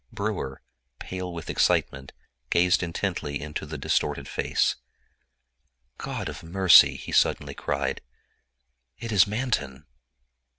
Brewer, pale with excitement, gazed intently into the distorted face. "God of mercy!" he suddenly cried, "it is Manton!"